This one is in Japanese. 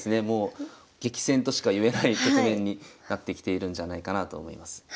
もう激戦としかいえない局面になってきているんじゃないかなあと思います。